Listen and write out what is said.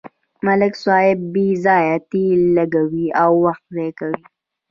ملک صاحب بې ځایه تېل لګوي او وخت ضایع کوي.